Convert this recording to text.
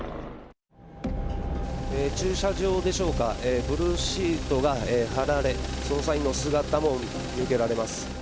駐車場でしょうか、ブルーシートが張られ、捜査員の姿も見受けられます。